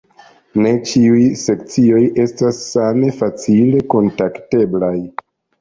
Ne ĉiuj sekcioj estas same facile kontakteblaj.